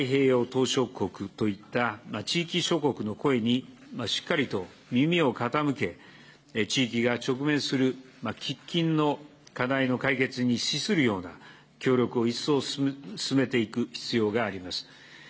島しょ国といった、地域諸国の声にしっかりと耳を傾け、地域が直面する喫緊の課題の解決にしするような協力を一層進めていく必要があります。